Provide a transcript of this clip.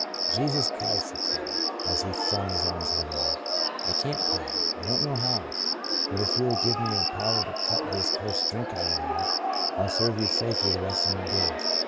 " Jesus Christ," he cried, as he flung his arms heavenward, "I can't pray — I don't know how. But if you will give me a power to cut this cursed drink out of my life, I'll serve you faithfully the rest of my days.